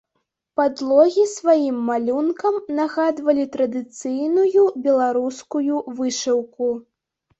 Падлогі сваім малюнкам нагадвалі традыцыйную беларускую вышыўку.